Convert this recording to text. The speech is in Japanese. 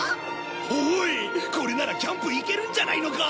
おいこれならキャンプ行けるんじゃないのか？